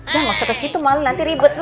yah masuk ke situ malah nanti ribet lu